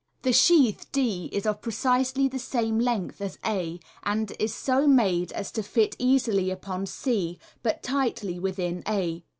The sheath d is of precisely the same length as a, and is so made as to fit easily upon c, but tightly within a.